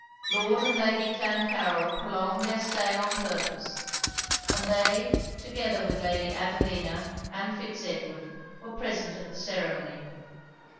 Lord and Lady Clancarryl prolonged their stay on purpose; and they, together with Lady Adelina and Fitz Edward, were present at the ceremony.